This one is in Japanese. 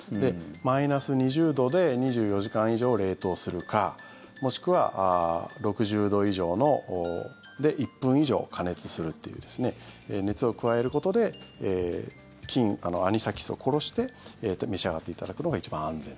マイナス２０度で２４時間以上冷凍するかもしくは６０度以上で１分以上加熱するという熱を加えることでアニサキスを殺して召し上がっていただくのが一番安全。